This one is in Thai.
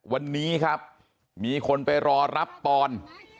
วันนี้ครับมีคนไปรอรับปอน